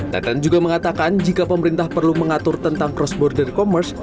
teten juga mengatakan jika pemerintah perlu mengatur tentang cross border commerce